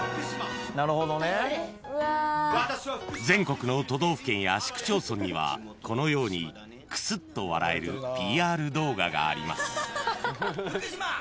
［全国の都道府県や市区町村にはこのようにクスッと笑えるＰＲ動画があります］